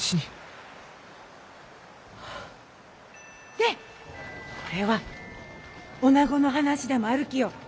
ねえこれはおなごの話でもあるきよ。